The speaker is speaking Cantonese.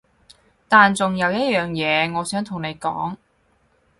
但仲有一樣嘢我想同你講